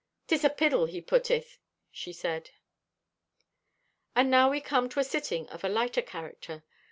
"'Tis a piddle he putteth," she said. And now we come to a sitting of a lighter character.